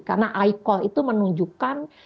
karena icall itu menunjukkan